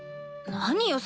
何よ？